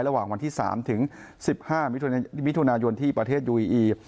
ระหว่างวันที่๓ถึง๑๕มิถุนายนที่ประเทศยูอีอี